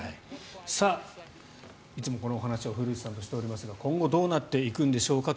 いつもこのお話を古内さんとしていますが今後どうなっていくんでしょうか